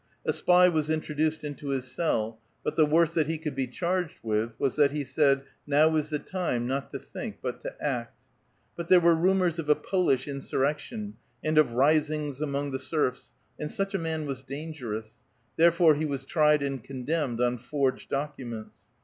A spy was introduced into his cell ; but the worst that be could be charged with was that he said, *' Now is the time, not to think, but to act." But there were rumors of a Polish insuiTection, and of risings among the serfs, and such a man was dangerous ; therefore he was tried and condemned on forged documents.